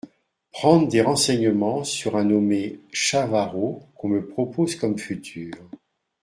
Prendre des renseignements sur un nommé Chavarot, qu’on me propose comme futur.